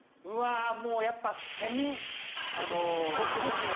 うわもうやっぱセミ。